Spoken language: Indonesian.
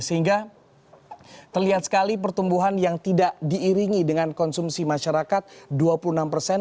sehingga terlihat sekali pertumbuhan yang tidak diiringi dengan konsumsi masyarakat dua puluh enam persen